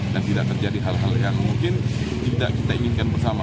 dan tidak terjadi hal hal yang mungkin tidak kita inginkan bersama